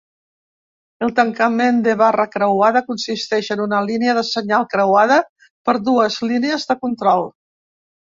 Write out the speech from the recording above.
El tancament de barra creuada consisteix en una línia de senyal creuada per dues línies de control.